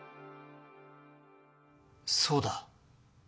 そうだ。